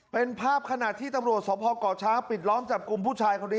เป็นภาพขณะที่ตำรวจสภก่อช้างปิดล้อมจับกลุ่มผู้ชายคนนี้